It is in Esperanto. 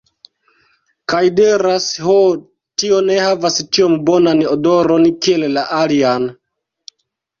Kaj diras, ho tio ne havas tiom bonan odoron kiel la alian